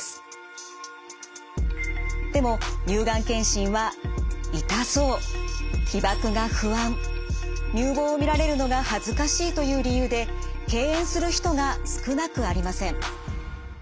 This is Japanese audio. でも乳がん検診は痛そう被ばくが不安乳房を見られるのが恥ずかしいという理由で敬遠する人が少なくありません。